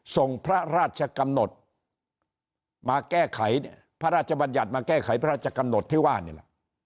ส่งพระราชกำหนดมาแก้ไขพระราชบัญญัติมาแก้ไขพระราชกำหนดที่ว่านี่แหละ